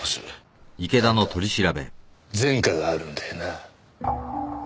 あんた前科があるんだよな？